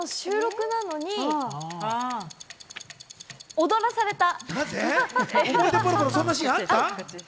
声の収録なのに踊らされた。